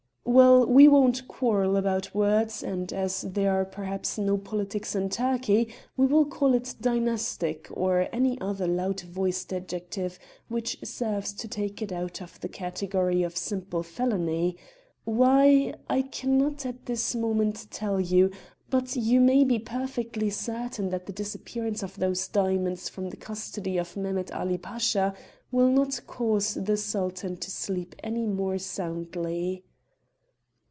"Well, we won't quarrel about words, and as there are perhaps no politics in Turkey, we will call it dynastic or any other loud voiced adjective which serves to take it out of the category of simple felony. Why? I cannot at this moment tell you, but you may be perfectly certain that the disappearance of those diamonds from the custody of Mehemet Ali Pasha will not cause the Sultan to sleep any more soundly."